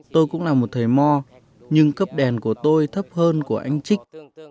tôi cũng là một thầy mo nhưng cấp đèn của tôi thấp hơn của anh trích